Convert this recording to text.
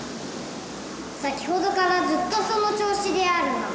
先ほどからずっとその調子であるな。